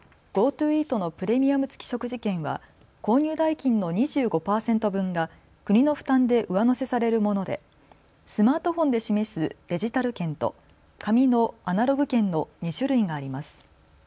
ＧｏＴｏイートのプレミアム付き食事券は購入代金の２５％分が国の負担で上乗せされるものでスマートフォンで示すデジタル券と紙のアナログ券の２種類があります。